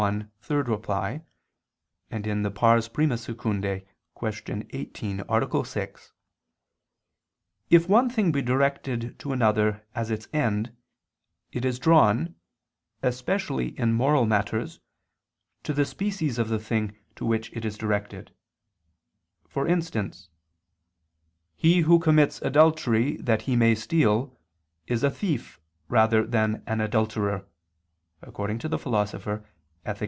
1, ad 3; I II, Q. 18, A. 6), if one thing be directed to another as its end, it is drawn, especially in moral matters, to the species of the thing to which it is directed: for instance "he who commits adultery that he may steal, is a thief rather than an adulterer," according to the Philosopher (Ethic.